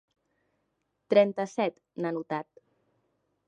Trenta-set, n'ha anotat.